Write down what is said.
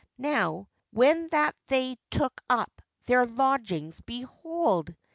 Now, when that they took up their lodgings, behold!